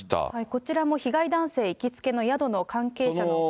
こちらも被害男性行きつけの宿の関係者のお話です。